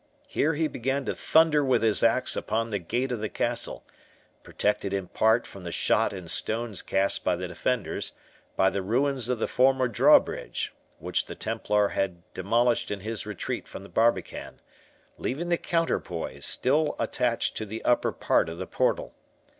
Here he began to thunder with his axe upon the gate of the castle, protected in part from the shot and stones cast by the defenders by the ruins of the former drawbridge, which the Templar had demolished in his retreat from the barbican, leaving the counterpoise still attached to the upper part of the portal.